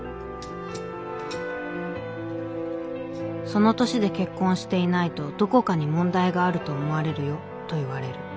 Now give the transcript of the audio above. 「『その年で結婚していないとどこかに問題があると思われるよ』と言われる。